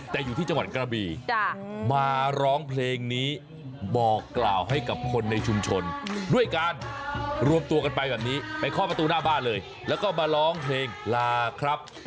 แต่อยู่ที่จังหวัดกระบีมาร้องเพลงนี้บอกกล่าวให้กับคนในชุมชนด้วยการรวมตัวกันไปแบบนี้ไปเคาะประตูหน้าบ้านเลยแล้วก็มาร้องเพลงลาครับ